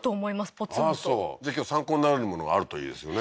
ポツンとじゃあ今日参考になるものがあるといいですよね